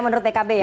menurut tkb ya